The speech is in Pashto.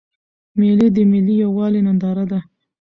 مېلې د ملي یوالي ننداره ده.